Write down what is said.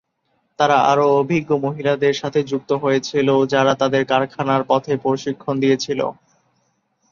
তারা আরও অভিজ্ঞ মহিলাদের সাথে যুক্ত হয়েছিল, যারা তাদের কারখানার পথে প্রশিক্ষণ দিয়েছিল।